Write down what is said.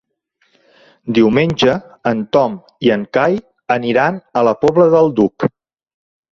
Diumenge en Tom i en Cai aniran a la Pobla del Duc.